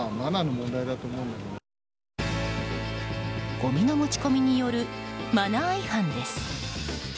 ごみの持ち込みによるマナー違反です。